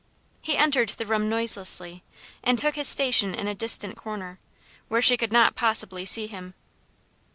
He entered the room noiselessly, and took his station in a distant corner, where she could not possibly see him.